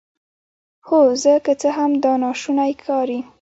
هو زه که څه هم دا ناشونی ښکاري